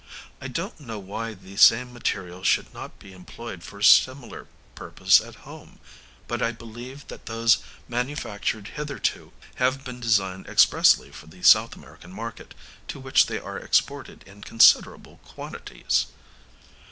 I don't know why the same material should not be employed for a similar purpose at home; but I believe that those manufactured hitherto have been designed expressly for the South American market, to which they are exported in considerable quantities.